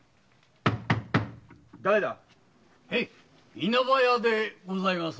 稲葉屋でございます。